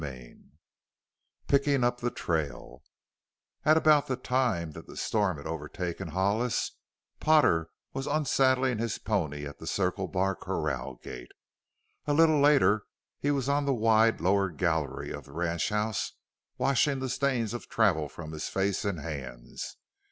CHAPTER XI PICKING UP THE TRAIL At about the time that the storm had overtaken Hollis, Potter was unsaddling his pony at the Circle Bar corral gate. A little later he was on the wide lower gallery of the ranchhouse washing the stains of travel from his face and hands.